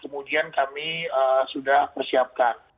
kemudian kami sudah persiapkan